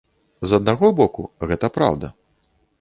З аднаго боку, гэта праўда.